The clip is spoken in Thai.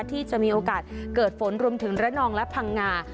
ที่จะมีโอกาสเกิดฝนรวมถึงระนองและพังงา